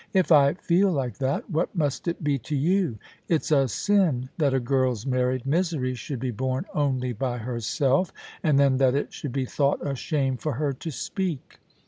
If I feel like that, what must it be to you ? It's a sin that a girl's married misery should be borne only by herself — and then that it should be thought a shame for her to speak